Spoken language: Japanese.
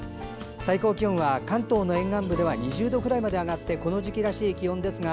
最高気温は関東の沿岸部で２０度くらいまで上がってこの時期らしい気温でしょう。